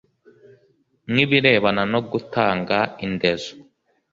nk’ibirebana no gutanga indezo